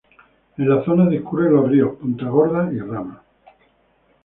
En la zona discurren los ríos Punta Gorda y Rama.